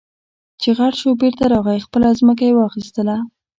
چې غټ شو بېرته راغی خپله ځمکه يې واخېستله.